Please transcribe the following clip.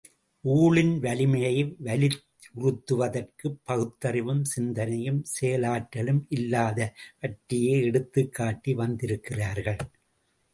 ஊழின் வலிமையை வலியுறுத்துவதற்கு பகுத்தறிவும் சிந்தனையும், செயலாற்றலும் இல்லாத வற்றையே எடுத்துக் காட்டி வந்திருக்கிறார்கள்.